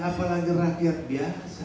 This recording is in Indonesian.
apalagi rakyat biasa